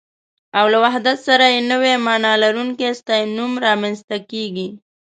او له وحدت سره يې نوې مانا لرونکی ستاينوم رامنځته کېږي